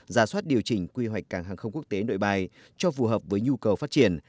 ra soát điều chỉnh quy hoạch cảng hàng không quốc tế nội bài cho phù hợp với nhu cầu phát triển